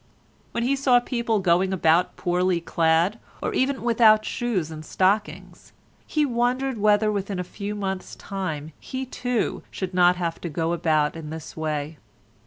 When he saw people going about poorly clad, or even without shoes and stockings, he wondered whether within a few months' time he too should not have to go about in this way.